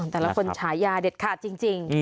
แต่ละคนฉายาเด็ดขาดจริง